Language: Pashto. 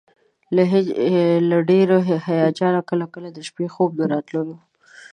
له ډېر هیجانه کله کله د شپې خوب نه راتللو.